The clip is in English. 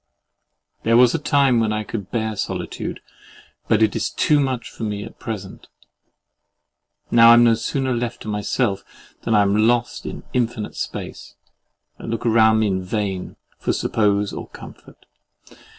There was a time when I could bear solitude; but it is too much for me at present. Now I am no sooner left to myself than I am lost in infinite space, and look round me in vain for suppose or comfort.